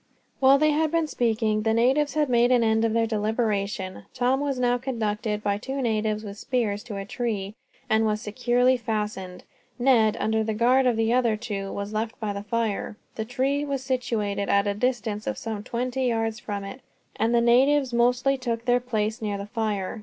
While they had been speaking the natives had made an end of their deliberation. Tom was now conducted, by two natives with spears, to a tree; and was securely fastened. Ned, under the guard of the other two, was left by the fire. The tree was situated at a distance of some twenty yards from it, and the natives mostly took their place near the fire.